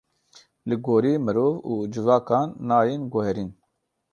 Li gorî mirov û civakan nayên guherîn.